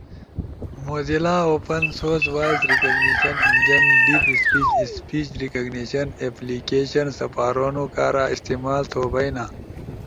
موزیلا اوپن سورس وائس ریکگنیشن انجن ڈیپ اسپیج، اسپیج ریکگنیشن اپلیکیشن سپارونو کارا استعمال تھو بئینا،